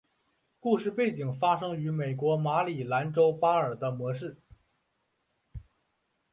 故事背景发生于美国马里兰州巴尔的摩市。